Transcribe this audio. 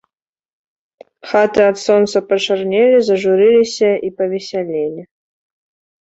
Хаты ад сонца пачарнелі, зажурыліся і павесялелі.